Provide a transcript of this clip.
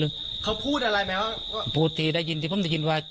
คือเขาพูดอะไรไหมครับพูดทีได้ยินที่ผมได้ยินว่า